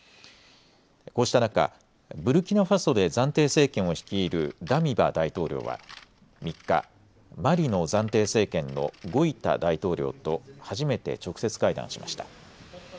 こうした中、ブルキナファソで暫定政権を率いるダミバ大統領は３日、マリの暫定政権のゴイタ大統領と初めて直接会談しました。